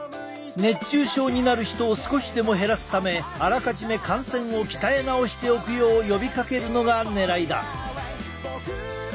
熱中症になる人を少しでも減らすためあらかじめ汗腺を鍛え直しておくよう呼びかけるのがねらいだ。